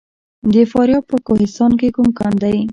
د فاریاب په کوهستان کې کوم کان دی؟